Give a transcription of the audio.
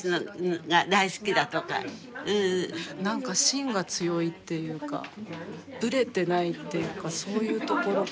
何か心が強いっていうかぶれてないっていうかそういうところかな。